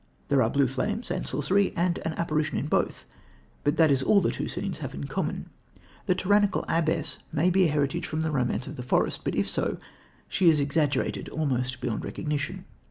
There are blue flames and sorcery, and an apparition in both, but that is all the two scenes have in common. The tyrannical abbess may be a heritage from The Romance of the Forest, but, if so she is exaggerated almost beyond recognition.